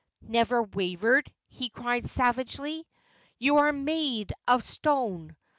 ' Never wavered !' he cried savagely. ' You are made of stone.